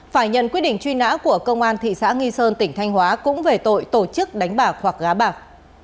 phải nhận quyết định truy nã của công an thị xã nghi sơn tỉnh thanh hóa cũng về tội tổ chức đánh bạc hoặc gá bạc